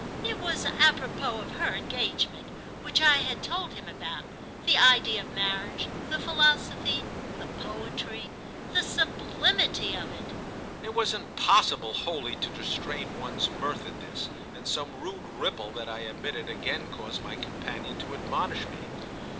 It was apropos of her engagement, which I had told him about: the idea of marriage, the philosophy, the poetry, the sublimity of it." It was impossible wholly to restrain one's mirth at this, and some rude ripple that I emitted again caused my companion to admonish me.